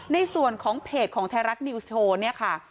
ในส่วนของเพจของไทยรัฐนิวส์โชว์เนี่ยค่ะ